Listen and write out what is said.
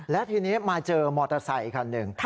และทีนี้มาเจอมอเตอร์ไซด์อีกครั้งหนึ่ง